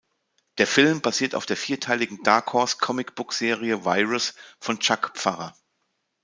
Der Film basiert auf der vierteiligen Dark Horse Comic-Book-Serie „Virus“ von Chuck Pfarrer.